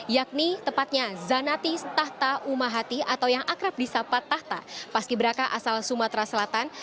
yakni tepatnya zanati tahta umahati atau yang akrab di sapa tahta paski beraka asal sumatera selatan